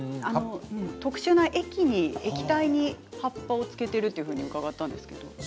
特殊な液体に葉っぱをつけているとうかがったんですけれども。